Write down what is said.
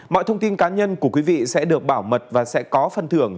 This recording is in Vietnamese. mọi thông tin cá nhân của quý vị sẽ được bảo mật và sẽ có phân thưởng